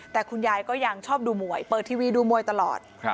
แต่คุณยายก็ยังชอบดูมวยเปิดทีวีดูมวยตลอด